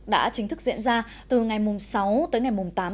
đã chính thức diễn ra từ ngày sáu tám tháng một mươi hai